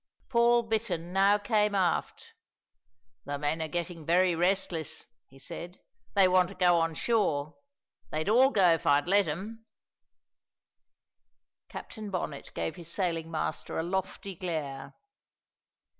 Paul Bittern now came aft. "The men are getting very restless," he said; "they want to go on shore. They'd all go if I'd let 'em." Captain Bonnet gave his sailing master a lofty glare.